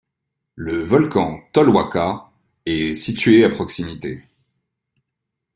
Le volcan Tolhuaca est situé à proximité.